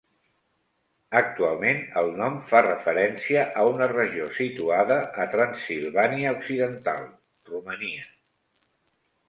Actualment, el nom fa referència a una regió situada a Transsilvània occidental, Romania.